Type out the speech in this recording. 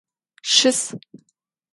Щыс!